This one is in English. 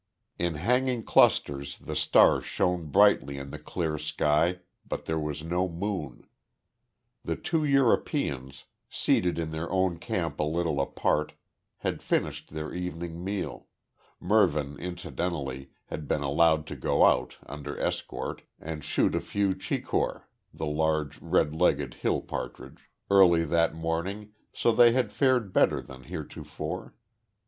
In hanging clusters the stars shone brightly in the clear sky, but there was no moon. The two Europeans, seated in their own camp a little apart, had finished their evening meal Mervyn incidentally, had been allowed to go out, under escort, and shoot a few chikor [the large red legged hill partridge], early that morning, so they had fared better than heretofore.